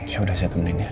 ya udah saya temenin ya